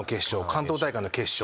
関東大会の決勝